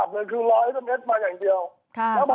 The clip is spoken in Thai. เพราะครั้งนี้ครับ